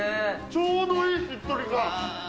ちょうどいいしっとり感。